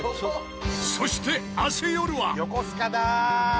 そして明日よるは。